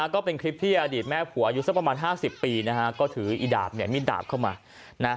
ก็เป็นคลิปที่อดีตแม่ผัวอายุสักประมาณ๕๐ปีนะฮะก็ถืออีดาบเนี่ยมีดดาบเข้ามานะ